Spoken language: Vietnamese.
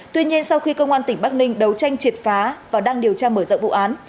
tuy nhiên sau khi công an tỉnh bắc ninh đấu tranh triệt phá và đang điều tra mở rộng vụ án